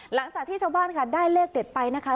หลังจากที่ชาวบ้านค่ะได้เลขเด็ดไปนะคะ